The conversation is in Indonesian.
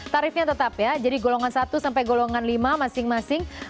tarifnya tetap ya jadi golongan satu sampai golongan lima masing masing